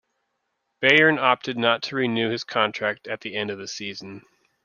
Bayern opted not to renew his contract at the end of the season.